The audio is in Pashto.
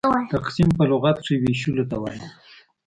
تقسيم په لغت کښي وېشلو ته وايي.